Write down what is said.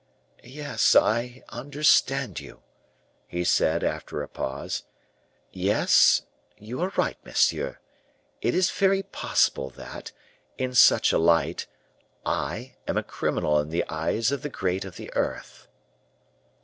"Yes, I understand you," he said, after a pause; "yes, you are right, monsieur; it is very possible that, in such a light, I am a criminal in the eyes of the great of the earth."